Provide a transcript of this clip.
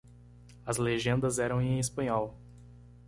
As legendas eram em Espanhol.